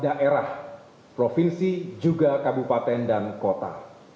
daerah provinsi juga kabupaten dan kota